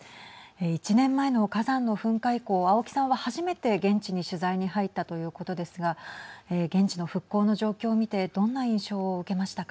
１年前の噴火の以降、青木さんは初めて現地に取材に入ったということですが現地の復興の状況を見てどんな印象を受けましたか。